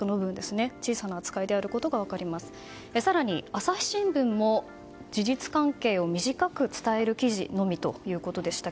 更に、朝日新聞も事実関係を短く伝える記事のみでした。